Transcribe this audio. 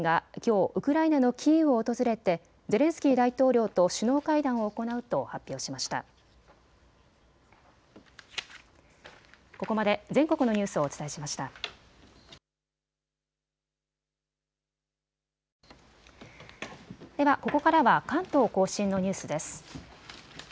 ではここからは関東甲信のニュースです。